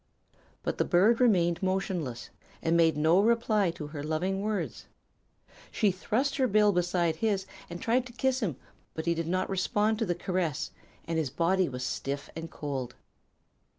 "But the bird remained motionless and made no reply to her loving words. She thrust her bill beside his and tried to kiss him, but he did not respond to the caress and his body was stiff and cold.